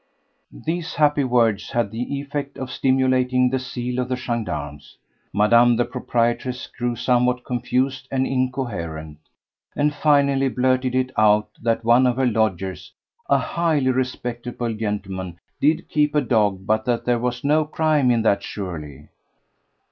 These happy words had the effect of stimulating the zeal of the gendarmes. Madame the proprietress grew somewhat confused and incoherent, and finally blurted it out that one of her lodgers—a highly respectable gentleman—did keep a dog, but that there was no crime in that surely.